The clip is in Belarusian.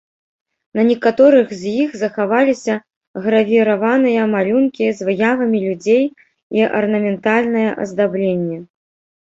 На некаторых з іх захаваліся гравіраваныя малюнкі з выявамі людзей і арнаментальнае аздабленне.